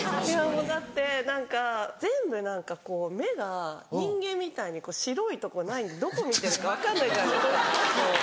だって何か全部何かこう目が人間みたいに白いとこないんでどこ見てるか分かんないじゃないですか。